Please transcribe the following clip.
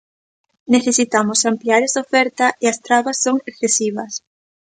Necesitamos ampliar esa oferta e as trabas son excesivas.